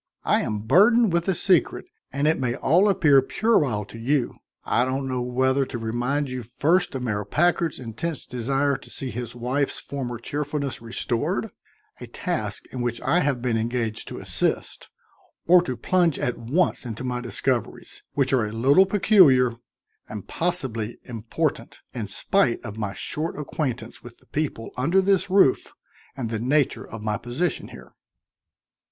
"I am burdened with a secret, and it may all appear puerile to you. I don't know whether to remind you first of Mayor Packard's intense desire to see his wife's former cheerfulness restored a task in which I have been engaged to assist or to plunge at once into my discoveries, which are a little peculiar and possibly important, in spite of my short acquaintance with the people under this roof and the nature of my position here."